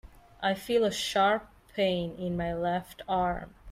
I feel a sharp pain in my left arm.